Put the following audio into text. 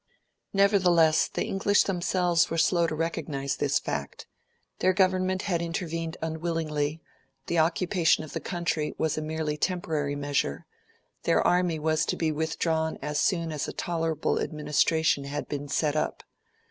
Nevertheless, the English themselves were slow to recognise this fact: their Government had intervened unwillingly; the occupation of the country was a merely temporary measure; their army was to be withdrawn as soon as a tolerable administration had been set up.